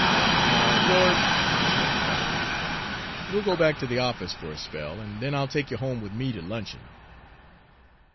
"Now, George," exclaimed the doctor, "we'll go back to the office for a spell, and then I'll take you home with me to luncheon."